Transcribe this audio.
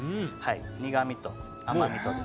苦みと甘みとで。